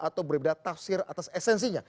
atau berbeda tafsir atas esensinya